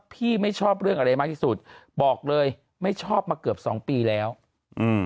ไม่ชอบเรื่องอะไรมากที่สุดบอกเลยไม่ชอบมาเกือบสองปีแล้วอืม